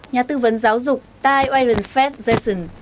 nhà tư vấn giáo dục tai aren feth jensen